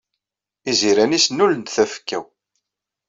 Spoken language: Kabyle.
Iziran-is nnulen-d tafekka-w.